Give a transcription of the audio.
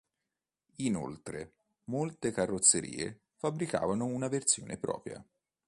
Inoltre, molte carrozzerie fabbricavano una versione propria.